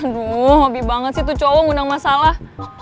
aduh hobi banget sih tuh cowok ngundang masalah